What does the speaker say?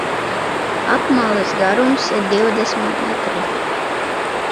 Apmales garums ir divdesmit metri.